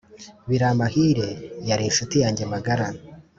biramahire yari inshuti yanjye magara